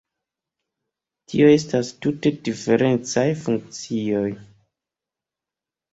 Tio estas tute diferencaj funkcioj.